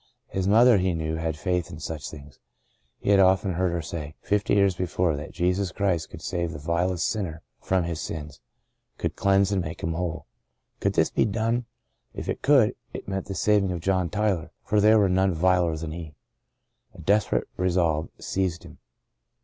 His mother he knew had faith in such things. He had often heard her say, fifty years before, that Jesus Christ could save the vilest sinner from his sins— could cleanse and make him whole. Could this be done ? If it could, it meant the saving of John Tyler, for there were none viler than he. A desperate resolve seized him.